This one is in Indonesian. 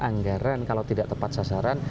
anggaran kalau tidak tepat sasaran